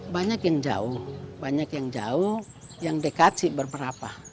banyak yang jauh banyak yang jauh yang dekasi berapa